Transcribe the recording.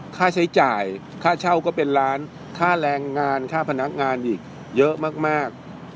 ค่าใช้จ่ายค่าเช่าก็เป็นล้านค่าแรงงานค่าพนักงานอีกเยอะมาก